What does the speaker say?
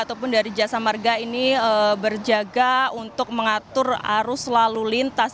ataupun dari jasa marga ini berjaga untuk mengatur arus lalu lintas